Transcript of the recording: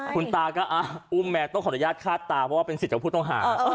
คุณตาก็อุ้มแมวต้องขออนุญาตคาดตาเพราะว่าเป็นสิทธิ์ของผู้ต้องหา